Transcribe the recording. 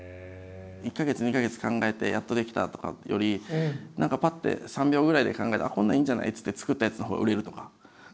１か月２か月考えてやっと出来たとかより何かパッて３秒ぐらいで考えてこんなのいいんじゃない？って作ったやつのほうが売れるとか。